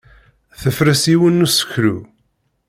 Tefres yiwen n useklu.